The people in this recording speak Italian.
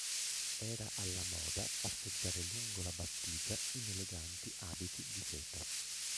Era alla moda passeggiare lungo la battigia in eleganti abiti di seta.